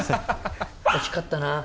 惜しかったな。